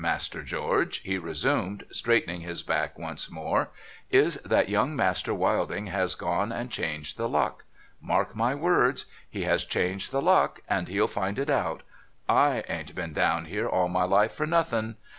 Master George,' he resumed, straightening his back once more, ' is, that young Master Wilding has gone and changed the luck. Mark my words. He has changed the luck, and he'll find it out. / ain't been down here THE WINE VAULTS 503 all my life for nothing